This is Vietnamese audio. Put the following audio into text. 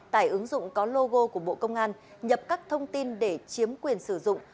tải ứng dụng có logo của bộ công an nhập các thông tin để chiếm quyền sử dụng